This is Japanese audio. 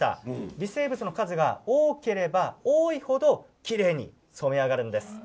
微生物の数が多ければ多い程きれいに染め上がるんです。